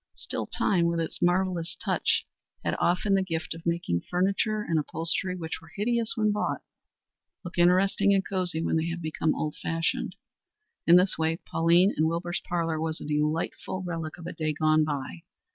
Still time, with its marvellous touch, has often the gift of making furniture and upholstery, which were hideous when bought, look interesting and cosey when they have become old fashioned. In this way Pauline Wilbur's parlor was a delightful relic of a day gone by.